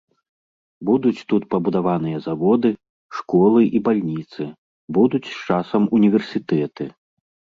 Будуць тут пабудаваныя заводы, школы і бальніцы, будуць з часам універсітэты.